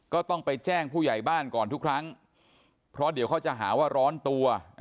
ก็ต้องไปแจ้งผู้ใหญ่บ้านก่อนทุกครั้งเพราะเดี๋ยวเขาจะหาว่าร้อนตัว